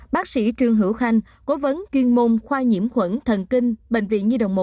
bác sĩ trương hữu khanh cố vấn chuyên môn khoa nhiễm khuẩn thần kinh bệnh viện nhi đồng một